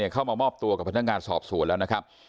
เข้ามามอบตัวกับพนักงานสอบสวนแล้วนะครับ